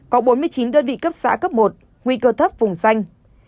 có bốn mươi chín đơn vị cấp xã cấp một nguy cơ thấp vùng xanh